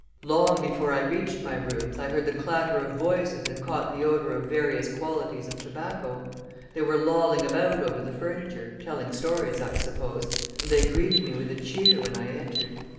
Long before I reached my rooms, I heard the clatter of voices and caught the odor of various qualities of tobacco. They were lolling about over the furniture, telling stories, I suppose, and they greeted me with a cheer when I entered.